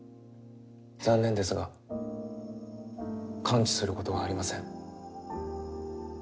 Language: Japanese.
残念ですが完治することはありません。